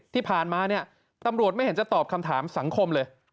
ที่ผ่านมาเนี่ยตำรวจไม่เห็นจะตอบคำถามสังคมเลย